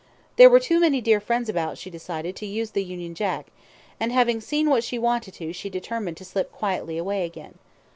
There were too many dear friends about, she decided, to use the Union Jack, and having seen what she wanted to she determined to slip quietly away again.